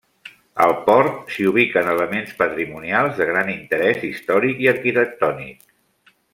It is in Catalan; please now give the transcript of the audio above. Al port, s'hi ubiquen elements patrimonials de gran interès històric i arquitectònic.